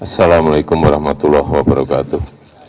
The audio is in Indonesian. assalamu'alaikum warahmatullahi wabarakatuh